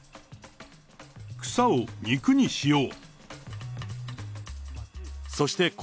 草を肉にしよう。